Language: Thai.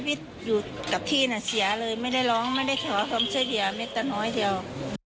คุณผู้ชมไปฟังเสียงผู้รอดชีวิตกันหน่อยค่ะ